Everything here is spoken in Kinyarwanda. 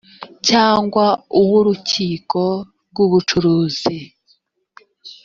cyangwa uw’urukiko rw’ubucuruzi